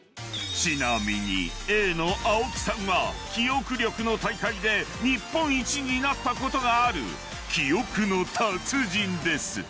［ちなみにＡの青木さんは記憶力の大会で日本一になったことがある記憶の達人です］